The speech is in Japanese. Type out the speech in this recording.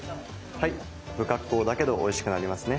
不格好だけどおいしくなりますね。